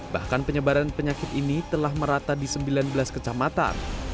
bahkan penyebaran penyakit ini telah merata di sembilan belas kecamatan